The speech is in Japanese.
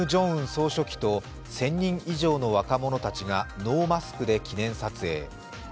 総書記と１０００人以上の若者たちがノーマスクで記念撮影。